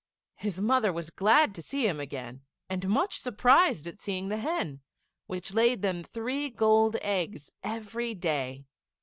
His mother was glad to see him again, and much surprised at seeing the hen, which laid them three gold eggs every day.